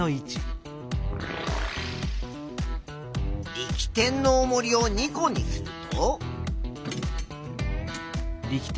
力点のおもりを２個にすると。